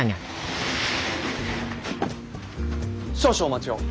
少々お待ちを。